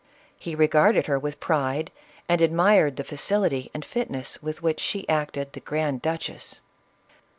He regarded her with pride, and admired the facility and fitness with which she acted the grand duchess.